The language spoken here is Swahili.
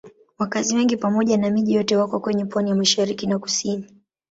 Wakazi wengi pamoja na miji yote wako kwenye pwani ya mashariki na kusini.